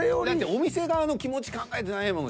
お店側の気持ち考えてないもん。